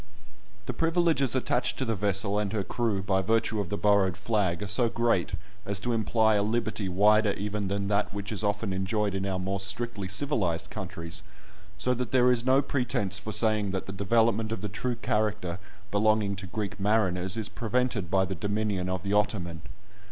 The privileges attached to the vessel and her crew by virtue of the borrowed flag are so great, as to imply a liberty wider even than that which is often enjoyed in our more strictly civilised countries, so that there is no pretence for saying that the development of the true character belonging to Greek mariners is prevented by the dominion of the Ottoman.